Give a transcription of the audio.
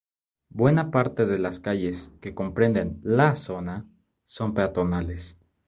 Buena parte de las calles que comprenden La Zona son peatonales.